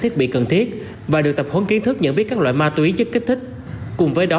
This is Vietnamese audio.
thiết bị cần thiết và được tập huấn kiến thức nhận biết các loại ma túy chất kích thích cùng với đó